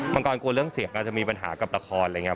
งกรกลัวเรื่องเสียงอาจจะมีปัญหากับละครอะไรอย่างนี้